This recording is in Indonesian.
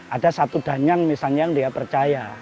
ada satu danyang misalnya yang dia percaya